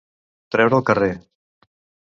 Treure al carrer.